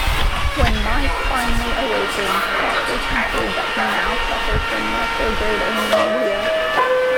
When Mike finally awakens, doctors conclude that he now suffers from retrograde amnesia.